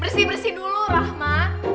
bersih bersih dulu rahma